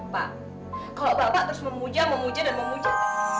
pak kalau bapak terus memuja memuji dan memuja